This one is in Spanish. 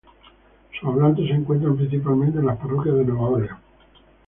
Sus hablantes se encuentran principalmente en las parroquias de Nueva Orleans, St.